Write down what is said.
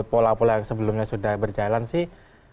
pola pola yang sebelumnya sudah berjalan sih